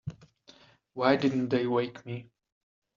Why didn't they wake me?